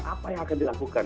apa yang akan dilakukan